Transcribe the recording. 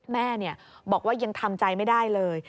แม่บอกว่ายังทำใจไม่ได้เลย